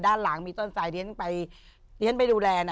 ด้านหลังมีต้นไซที่ฉันไปดูแล